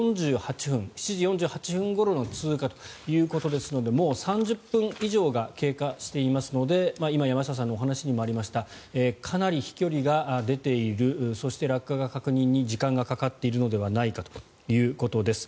ただ、７時４８分ごろの通過ということですのでもう３０分以上が経過していますので今、山下さんのお話にもありましたかなり飛距離が出ているそして落下の確認に時間がかかっているのではないかということです。